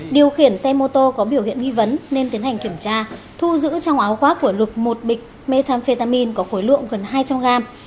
điều khiển xe mô tô có biểu hiện nghi vấn nên tiến hành kiểm tra thu giữ trong áo khoác của lục một bịch methamphetamin có khối lượng gần hai trăm linh gram